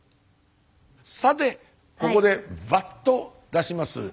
さてここでバッと出します